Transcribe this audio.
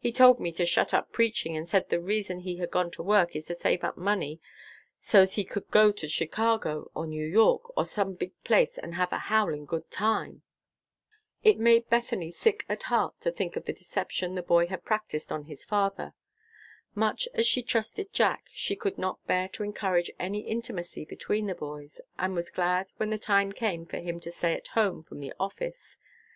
He told me to shut up preaching, and said the reason he has gone to work is to save up money so's he could go to Chicago or New York, or some big place, and have a 'howling good time.'" It made Bethany sick at heart to think of the deception the boy had practiced on his father. Much as she trusted Jack, she could not bear to encourage any intimacy between the boys, and was glad when the time came for him to stay at home from the office.